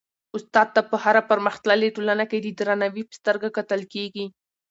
استاد ته په هره پرمختللي ټولنه کي د درناوي په سترګه کتل کيږي.